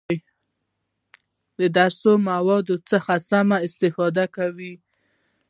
د درسي موادو څخه سمه استفاده کول،